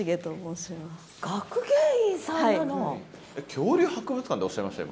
恐竜博物館っておっしゃいました？